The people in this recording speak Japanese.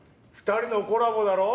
２人のコラボだろ？